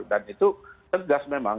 dan itu tegas memang